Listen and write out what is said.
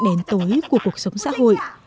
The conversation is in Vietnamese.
đèn tối của cuộc sống xã hội